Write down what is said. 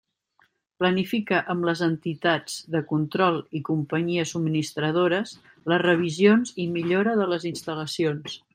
Planifica amb les entitats de control i companyies subministradores les revisions i millora de les instal·lacions.